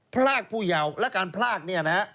พรากผู้เยาว์แล้วการพรากนี่นะ